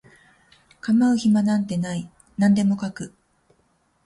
構う暇なんてない何でも描く